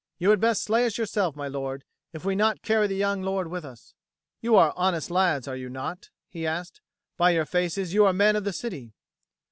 You had best slay us yourself, my lord, if we may not carry the young lord with us." "You are honest lads, are you not?" he asked. "By your faces, you are men of the city."